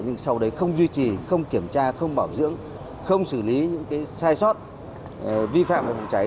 nhưng sau đấy không duy trì không kiểm tra không bảo dưỡng không xử lý những sai sót vi phạm về phòng cháy